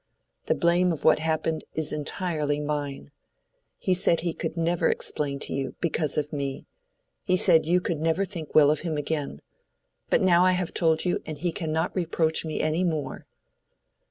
The blame of what happened is entirely mine. He said he could never explain to you—because of me. He said you could never think well of him again. But now I have told you, and he cannot reproach me any more."